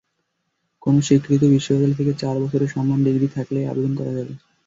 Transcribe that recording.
কোনো স্বীকৃত বিশ্ববিদ্যালয় থেকে চার বছরের সম্মান ডিগ্রি থাকলেই আবেদন করা যাবে।